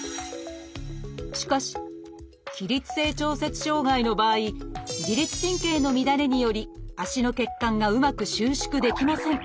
しかし起立性調節障害の場合自律神経の乱れにより足の血管がうまく収縮できません。